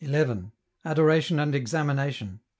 Adoration and Examination.